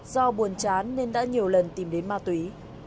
do buồn chán nên đã nhiều lần tìm đến ma túy